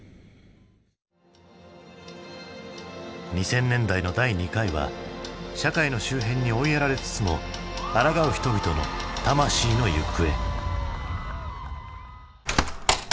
２０００年代の第２回は社会の周辺に追いやられつつもあらがう人々の魂の行方。